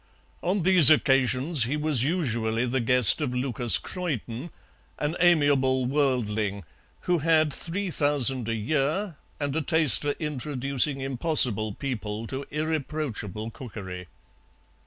On these occasions he was usually the guest of Lucas Croyden, an amiable worldling, who had three thousand a year and a taste for introducing impossible people to irreproachable cookery.